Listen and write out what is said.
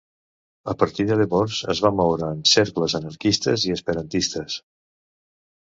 A partir de llavors es va moure en cercles anarquistes i esperantistes.